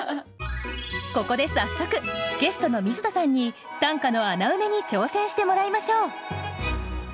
ここで早速ゲストの水田さんに短歌の穴埋めに挑戦してもらいましょう。